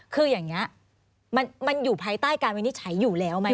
คืออย่างนี้มันอยู่ภายใต้การวินิจฉัยอยู่แล้วไหม